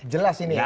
jelas ini ya